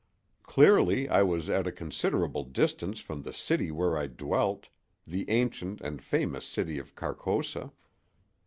Clearly I was at a considerable distance from the city where I dwelt—the ancient and famous city of Carcosa.